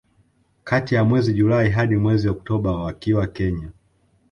Kati ya mwezi Julai hadi mwezi Oktoba wakiwa Kenya